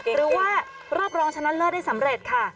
หรือว่ารอบรองชนะเลิศได้สำเร็จค่ะ